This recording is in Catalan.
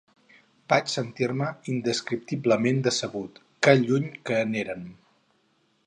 Vaig sentir-me indescriptiblement decebut. Que lluny que n'érem